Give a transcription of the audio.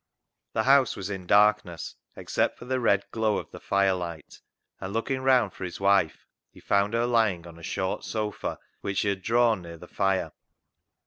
The house was in darkness except for the red glow of the fire light, and looking round for his wife, he found her lying on a short sofa which she had drawn near the fire.